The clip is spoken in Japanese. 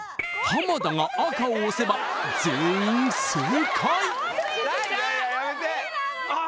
浜田が赤を押せば全員正解よいしょ！